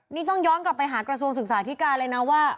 นี่ต้องย้อนกลับไปหากระทรวงศึกษาธิการเลยนะว่า